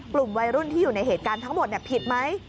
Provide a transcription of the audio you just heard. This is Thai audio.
กลุ่มวัยรุ่นที่อยู่ในเหตุการณ์ทั้งหมดผิดไหม